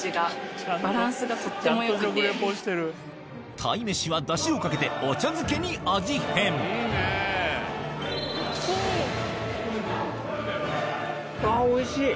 鯛めしはダシをかけてお茶漬けに味変あぁおいしい！